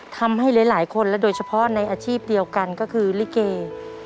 ทำให้หลายคนและโดยเฉพาะในอาชีพเดียวกันก็คือลิเก